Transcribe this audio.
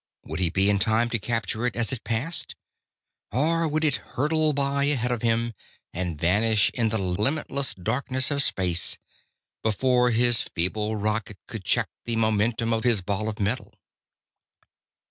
Would he be in time to capture it as it passed, or would it hurtle by ahead of him, and vanish in the limitless darkness of space before his feeble rocket could check the momentum of his ball of metal?